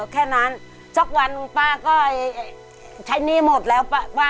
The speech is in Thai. แค่นั้นสักวันป้าก็ใช้หนี้หมดแล้วป้า